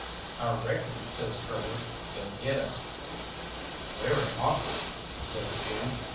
"I reckon," says Curly, "they'll get us." "Very awkward," says Jim.